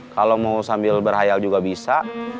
kalau mau sambil berhayal juga bisa